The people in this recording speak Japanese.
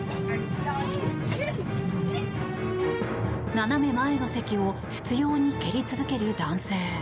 斜め前の席を執ように蹴り続ける男性。